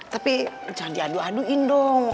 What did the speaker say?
tapi jangan diadu aduin dong